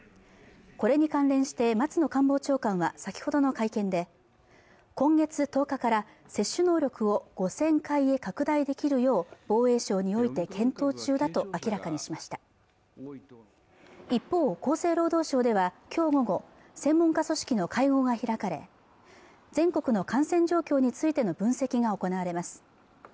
これに関連して松野官房長官は先ほどの会見で今月１０日から接種能力を５０００回へ拡大できるよう防衛省において検討中だと明らかにしました一方、厚生労働省ではきょう午後専門家組織の会合が開かれ全国の感染状況についての分析が行われます